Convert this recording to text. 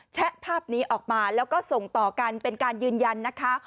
แชะภาพนี้ออกมาแล้วก็ส่งต่อกันเป็นการยืนยันนะคะ